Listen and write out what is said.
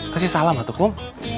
kasih salam ya kum